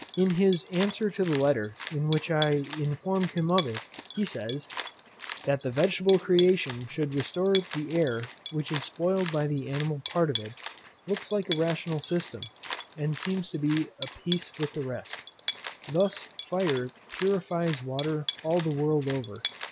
In his answer to the letter in which I informed him of it, he says, "That the vegetable creation should restore the air which is spoiled by the animal part of it, looks like a rational system, and seems to be of a piece with the rest. Thus fire purifies water all the world over.